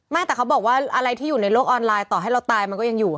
และเขาบอกว่าต่อให้เราตายอะไรที่อยู่ในโลกออนไลน์ก็ยังอยู่